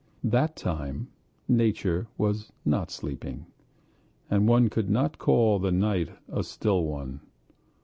That time nature was not sleeping, and one could not call the night a still one.